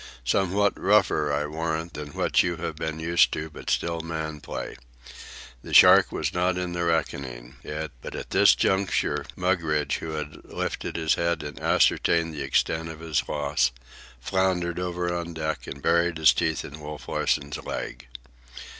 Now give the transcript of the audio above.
Somewhat rougher, I warrant, than what you have been used to, but still man play. The shark was not in the reckoning. It—" But at this juncture, Mugridge, who had lifted his head and ascertained the extent of his loss, floundered over on the deck and buried his teeth in Wolf Larsen's leg.